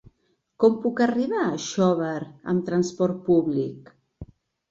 Com puc arribar a Xóvar amb transport públic?